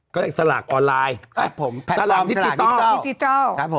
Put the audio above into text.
ก็คือสลากออนไลน์สลากดิจิตอล